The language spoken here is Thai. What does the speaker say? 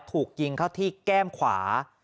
ถูกยิงเข้าที่แก้มขวา